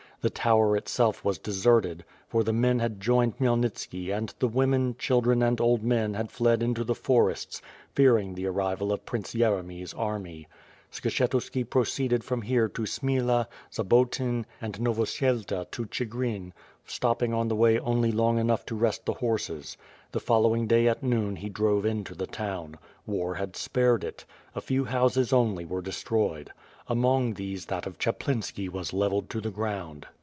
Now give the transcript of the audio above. The to\ver itself was deserted, for the men had joined Khmyelnitski, and the women, children, and old men had fled into the forests, fearing the arrival of Prince Yere my's army. Skshetuski proceeded from here to Smila, Za botyn, and Novosielta to Chigrin, stopping on the way only long enough to rest the horses. The following day at noon he drove into the town. War had spared it. A few houses only were destroyed. Among these that of Chaplinski was levelled to the ground.